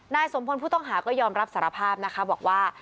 สมพลผู้ต้องหาก็ยอมรับสารภาพนะคะบอกว่า